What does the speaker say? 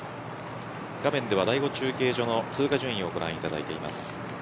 画面では第５中継所の通過順位をご覧いただいています。